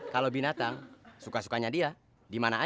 kalau binatang suka sukanya dia dimana aja